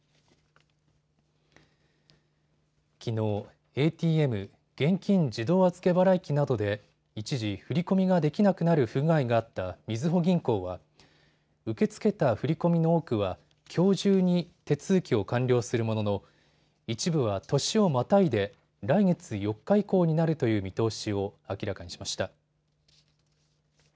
きのうＡＴＭ＝現金自動預け払い機などで一時、振り込みができなくなる不具合があったみずほ銀行は受け付けた振り込みの多くはきょう中に手続きを完了するものの一部は、年をまたいで来月４日以降になるという見通しを明らかにしました。